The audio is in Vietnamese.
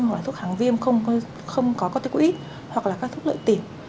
hoặc là thuốc kháng viêm không có có tích quỹ hoặc là các thuốc lợi tiện